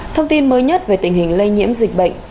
thông tin mới nhất về tình hình lây nhiễm dịch bệnh